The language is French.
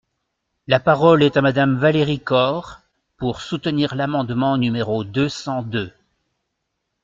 La parole est à Madame Valérie Corre, pour soutenir l’amendement numéro deux cent deux.